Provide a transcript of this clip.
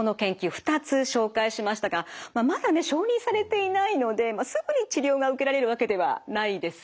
２つ紹介しましたがまだね承認されていないのですぐに治療が受けられるわけではないですよね。